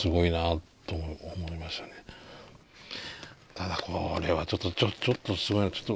ただこれはちょっとすごいな。